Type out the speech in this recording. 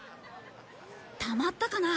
たまったかな？